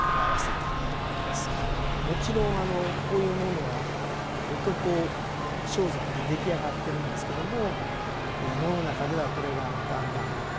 もちろんこういうものは男装束で出来上がってるんですけども能の中ではこれがだんだん女性の役にも着ていくようになってくる。